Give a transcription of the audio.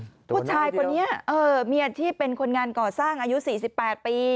ผู้ชายคนนี้เออมีอาชีพเป็นคนงานก่อสร้างอายุ๔๘ปี